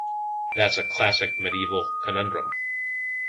That's a classic medieval conundrum.